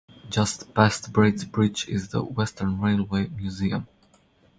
Just past Braid's Bridge is the Western Railway Museum.